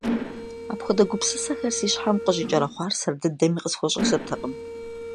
Апхуэдэ гупсысэхэр си щхьэм къыщӀикӀэрахъуэр сэр дыдэми къысхуэщӏэжыртэкъым.